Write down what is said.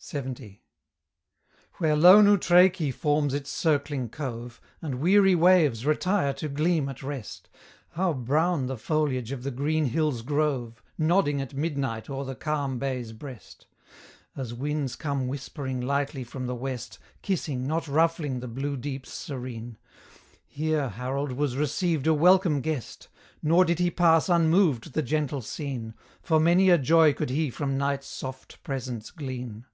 LXX. Where lone Utraikey forms its circling cove, And weary waves retire to gleam at rest, How brown the foliage of the green hill's grove, Nodding at midnight o'er the calm bay's breast, As winds come whispering lightly from the west, Kissing, not ruffling, the blue deep's serene: Here Harold was received a welcome guest; Nor did he pass unmoved the gentle scene, For many a joy could he from night's soft presence glean.